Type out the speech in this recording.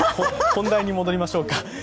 本題に戻りましょうか。